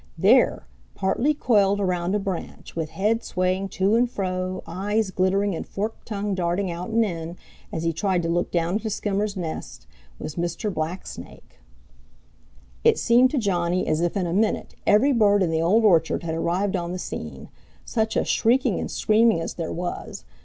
There, partly coiled around a branch, with head swaying to and fro, eyes glittering and forked tongue darting out and in, as he tried to look down into Skimmer's nest, was Mr. Blacksnake. It seemed to Johnny as if in a minute every bird in the Old Orchard had arrived on the scene. Such a shrieking and screaming as there was!